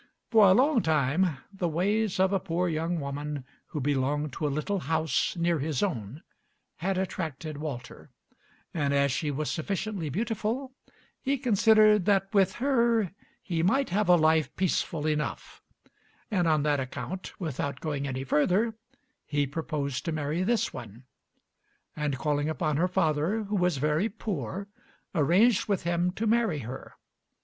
For a long time the ways of a poor young woman who belonged to a little house near his own had attracted Walter, and as she was sufficiently beautiful, he considered that with her he might have a life peaceful enough; and on that account, without going any further, he proposed to marry this one, and calling upon her father, who was very poor, arranged with him to marry her.